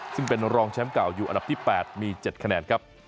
ซึ่งเป็นรองแชมป์เก่าอยู่อันดับที่๘มี๗คะแนนครับ